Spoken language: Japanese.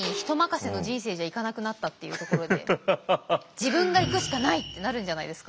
自分が行くしかないってなるんじゃないですか？